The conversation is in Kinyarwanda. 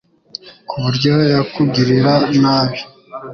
ku buryo yakugirira nabi,